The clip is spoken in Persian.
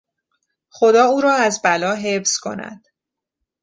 خدا او را از بلا حفظ کند!